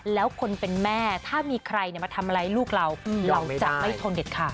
แล้วคนเป็นแม่ถ้ามีใครมาทำอะไรลูกเราเราจะไม่ทนเด็ดขาด